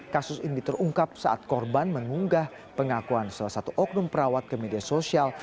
kasus ini terungkap saat korban mengunggah pengakuan salah satu oknum perawat ke media sosial